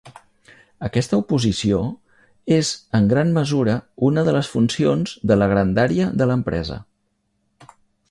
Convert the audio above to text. Aquesta oposició és en gran mesura una de les funcions de la grandària de l'empresa.